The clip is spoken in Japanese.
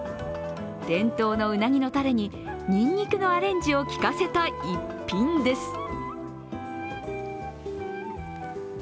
伝統のうなぎのたれに、にんにくのアレンジをきかせた逸品です。